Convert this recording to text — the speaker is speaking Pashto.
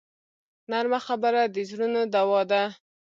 نرمه خبره د زړونو دوا ده